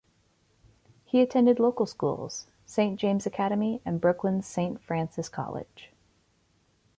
He attended local schools, Saint James Academy, and Brooklyn's Saint Francis College.